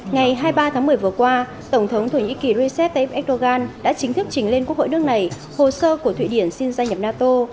ngày hai mươi ba tháng một mươi vừa qua tổng thống thổ nhĩ kỳ recep tayyip erdogan đã chính thức trình lên quốc hội nước này hồ sơ của thụy điển xin gia nhập nato